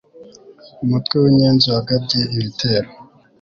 umutwe w'inyenzi wagabye ibitero